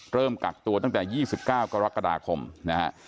กักตัวตั้งแต่๒๙กรกฎาคมนะฮะ